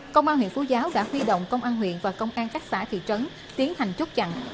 công an huyện phú giáo đã huy động công an huyện và công an các xã thị trấn tiến hành chốt chặn